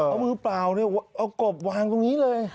เอามือเปล่าเนี่ยเอากบวางตรงนี้เลย